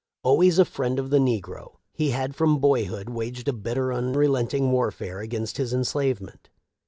Always a friend of the negro, he had from boyhood waged a bitter unrelenting warfare against his enslavement.